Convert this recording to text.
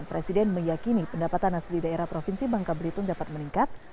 presiden meyakini pendapatan asli daerah provinsi bangka belitung dapat meningkat